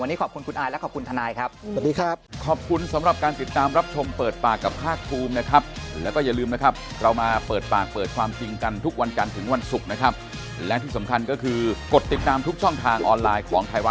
วันนี้ขอบคุณคุณอายและขอบคุณทนายครับ